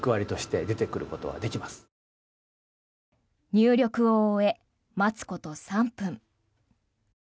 入力を終え、待つこと３分。